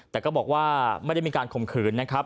แต่ก็บอกว่าไม่ได้มีการข่มขืนนะครับ